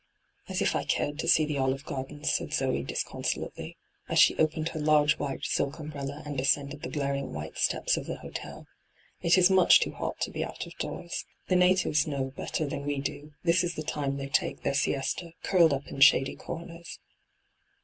' As if I oared to see the olive gardens,' said Zoe disoonsolately, as she opened her large white silk umbrella and descended the glaring white steps of the hotel ' It is much too hot to be out of doors. The natives know hyGoogIc ENTRAPPED 233 better than we do : this is the time they take their siesta, curled up in shady comers.'